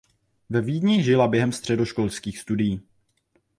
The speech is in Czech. Ve Vídni žila během středoškolských studií.